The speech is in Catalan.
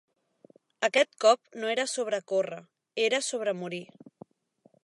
Aquest cop no era sobre córrer, era sobre morir.